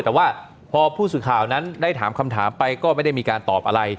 แต่ว่าพอผู้สื่อข่าวนั้นได้ถามคำถามไปก็ไม่ได้มีการตอบอะไร